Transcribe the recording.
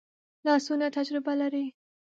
لاسونه تجربه لري